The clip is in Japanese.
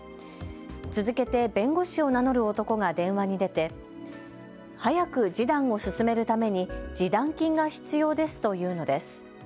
続けて弁護士を名乗る男が電話に出て早く示談を進めるために示談金が必要ですと言うのです。